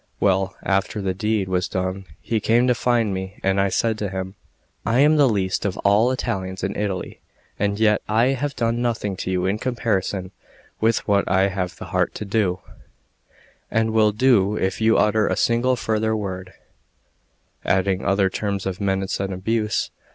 Well, after the deed was done, he came to find me, and I said to him: "I am the least of all Italians in Italy, and yet I have done nothing to you in comparison with what I have the heart to do, and will do if you utter a single further word," adding other terms of menace and abuse.